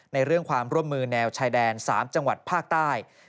ในเรื่องความร่วมมือแนวชายแดน๓จังหวัดภาคใต้